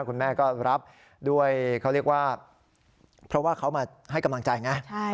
คุณแม่ก็รับด้วยเขาเรียกว่าเพราะว่าเขามาให้กำลังใจไง